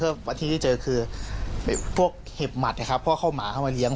เพราะว่าที่ที่เจอคือพวกเห็บหมัดเนี้ยครับเพราะเข้าหมาเข้ามาเลี้ยง